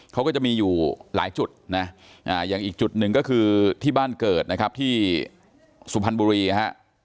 เขาก็จะมีอยู่หลายจุดนะอย่างอีกจุดหนึ่งก็คือที่บ้านเกิดนะครับที่สุพรรณบุรีนะครับ